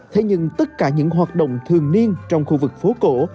thế nhưng tất cả những hoạt động thường niên trong khu vực phố cổ